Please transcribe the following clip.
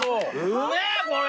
うめえこれ！